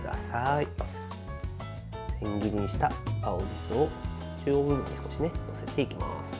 千切りにした青じそを中央部分に少し載せていきます。